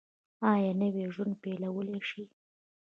ایا نوی ژوند پیلولی شئ؟